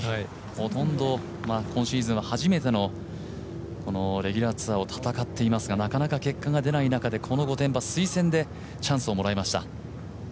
ほとんど今シーズンは初めてのレギュラーツアーを戦っていますがなかなか結果が出ない中でこの御殿場推薦でチャンスをもらいました。